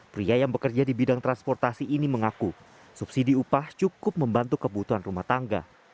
pria yang bekerja di bidang transportasi ini mengaku subsidi upah cukup membantu kebutuhan rumah tangga